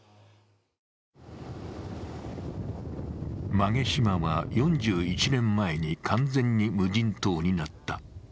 馬毛島は４１年前に完全に無人島になった。